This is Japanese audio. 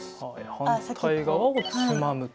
反対側をつまむと。